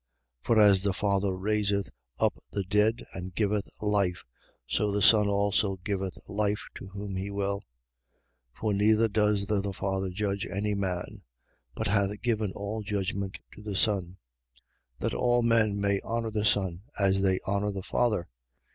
5:21. For as the Father raiseth up the dead and giveth life: so the Son also giveth life to whom he will. 5:22. For neither does the Father judge any man: but hath given all judgment to the Son. 5:23. That all men may honour the Son, as they honour the Father.